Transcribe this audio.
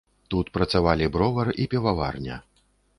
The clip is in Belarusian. Тут працавалі бровар і піваварня.